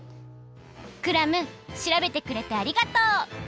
クラムしらべてくれてありがとう！